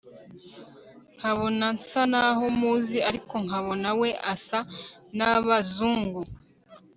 nkabona nsa naho muzi ariko nkabona we asa nabazungu